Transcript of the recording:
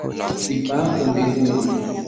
Nipaapo mbinguni,